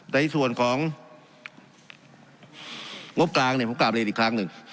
ในส่วนของงบกลางเนี่ยผมกลับเรียนอีกครั้งหนึ่ง